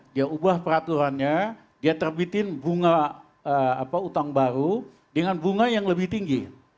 dia ubah peraturannya dia terbitin bunga utang baru dengan bunga yang lebih tinggi